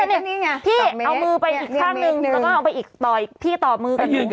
นี่เมตรกันหนึ่งตอนหนึ่งพี่ต่อคืนหนึ่ง